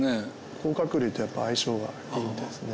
甲殻類とやっぱ相性がいいみたいですね。